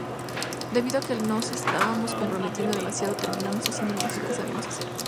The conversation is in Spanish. Debido a que nos estábamos comprometiendo demasiado, terminamos haciendo lo que mejor sabíamos hacer.